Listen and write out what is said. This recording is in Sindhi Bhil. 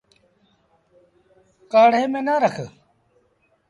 ڪآڙي ميݩ نا رک۔